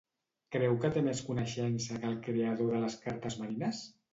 Creu que té més coneixença que el creador de les cartes marines?